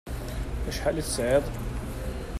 Acḥal i tesɛiḍ?